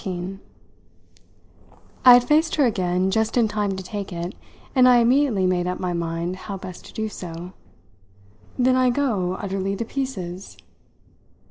XIV I had faced her again just in time to take it, and I immediately made up my mind how best to do so. "Then I go utterly to pieces!"